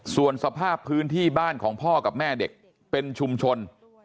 ส่วนสภาพพื้นที่บ้านของพ่อกับแม่เด็กเป็นชุมชน